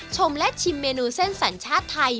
ชมและชิมเมนูเส้นสัญชาติไทย